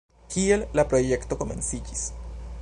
Kiel la projekto komenciĝis?